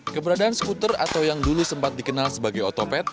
keberadaan skuter atau yang dulu sempat dikenal sebagai otopet